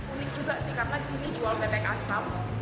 unik juga sih karena disini jual bebek asap